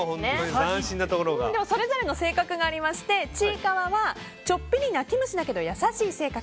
それぞれの性格がありましてちいかわはちょっぴり泣き虫だけど優しい性格。